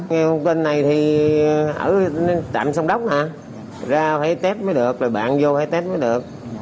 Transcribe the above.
nhưng bên này thì ở tạm sông đốc nè ra phải test mới được rồi bạn vô phải test mới được